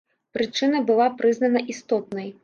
Прычына была прызнана істотнай.